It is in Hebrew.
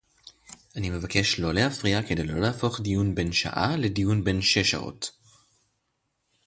אני מבקש לא להפריע כדי שלא להפוך דיון בן שעה לדיון בן שש שעות